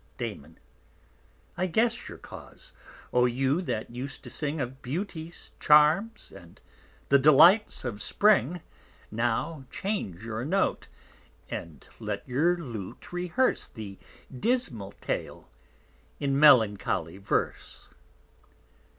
_ DAM. _I guess your Cause: O you that use to sing Of Beauty's Charms and the Delights of Spring; Now change your Note, and let your Lute rehearse The dismal Tale in melancholy Verse.